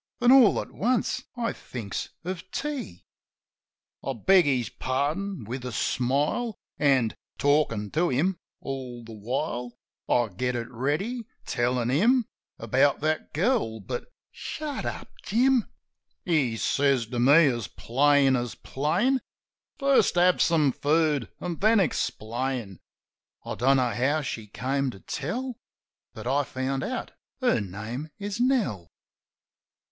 Then all at once I thinks of tea. I beg his pardon with a smile, An', talkin' to him all the while, I get it ready, tellin' him About that girl; but, "Shut up, Jim!" 62 JIM OF THE HILLS He says to me as plain as plain. "First have some food, an' then explain." (I don't know how she came to tell. But I found out her name is Nell.)